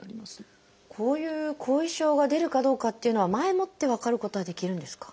こういう後遺症が出るかどうかっていうのは前もって分かることはできるんですか？